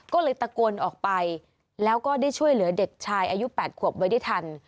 ก็เลยตะโกนออกไปแล้วก็ได้ช่วยเหลือเด็กชายอายุ๘ขวบไว้ได้ทัน